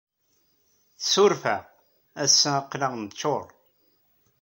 Ssuref-aɣ, ass-a aql-aɣ neččuṛ.